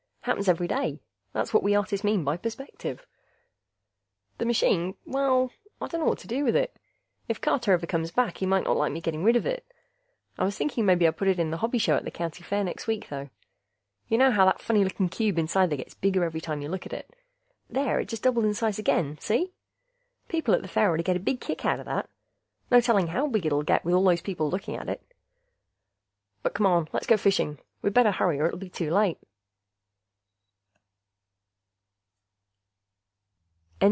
Happens every day; that's what us artists mean by perspective. The machine? Well, I dunno what to do with it. If Carter ever comes back he might not like my getting rid of it. I was thinking mebbe I'd put it in the hobby show at the county fair next week, though. Ya notice how that funny looking cube inside there gets bigger every time you look at it? There ... it just doubled its size again, see? People at the fair oughtta get a big kick outta that. No telling how big it'll get with all those people looking at it. But come on, let's go fishing. We'd better hurry or it'll be too late.